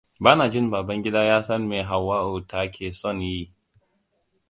Ba na jin Babangida ya san me Hauwatu ta ke son ya yi.